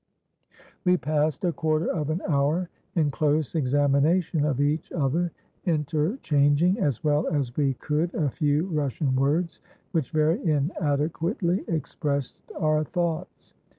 "We passed a quarter of an hour in close examination of each other, interchanging as well as we could a few Russian words which very inadequately expressed our thoughts.